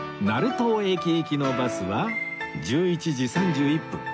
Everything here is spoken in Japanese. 成東駅行きのバスは１１時３１分